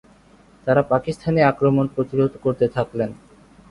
তারা পাকিস্তানি আক্রমণ প্রতিরোধ করতে থাকলেন।